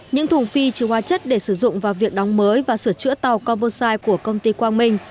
những thùng phi chứa hóa chất để sử dụng vào việc đóng mới và sửa chữa tàu coposai của công ty quang minh